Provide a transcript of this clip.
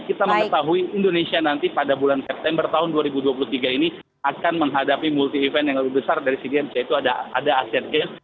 kita mengetahui indonesia nanti pada bulan september tahun dua ribu dua puluh tiga ini akan menghadapi multi event yang lebih besar dari sea games yaitu ada asean games